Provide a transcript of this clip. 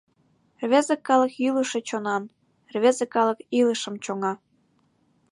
Рвезе калык йӱлышӧ чонан, рвезе калык илышым чоҥа.